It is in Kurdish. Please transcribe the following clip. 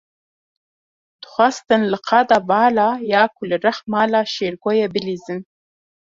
Dixwastin li qada vala ya ku li rex mala Şêrgo ye, bilîzin.